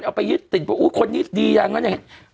ได้เอาไปยึดติดก็บอกคนนี้ดียังอะไรอย่างนี้